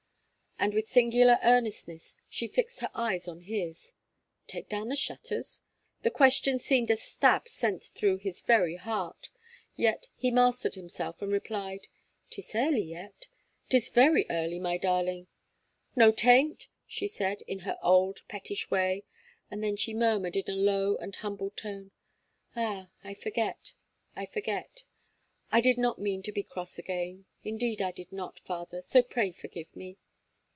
And with singular earnestness she fixed her eyes on his. Take down the shutters? The question seemed a stab sent through his very heart. Yet he mastered himself, and replied: "'Tis early yet; 'tis very early, my darling." "No 'taint," she said, in her old pettish way, and then she murmured in a low and humbled tone: "Ah! I forget I forget. I did not mean to be cross again. Indeed I did not, father, so pray forgive me."